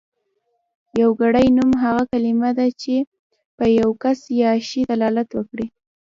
يوګړی نوم هغه کلمه ده چې په يو کس يا شي دلالت وکړي.